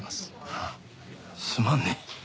あっすまんね。